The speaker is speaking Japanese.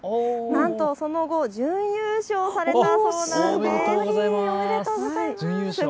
なんとその後、準優勝されたそうなんです。